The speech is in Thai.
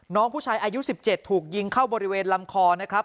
น้องผู้ชายอายุ๑๗ถูกยิงเข้าบริเวณลำคอนะครับ